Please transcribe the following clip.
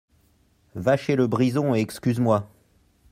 Va chez le Brison et excuse-moi.